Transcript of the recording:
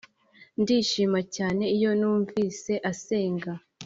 ndishima cyane iyo numvise asenga